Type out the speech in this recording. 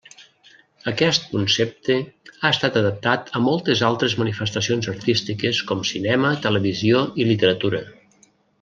Aquest concepte ha estat adaptat a moltes altres manifestacions artístiques com cinema, televisió i literatura.